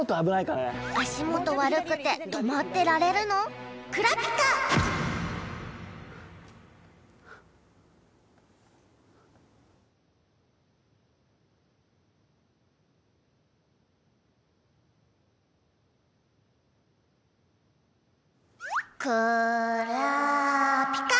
「足元悪くて止まってられるの？」「クラピカ」「クラピカ」